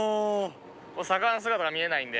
魚の姿が見えないんで。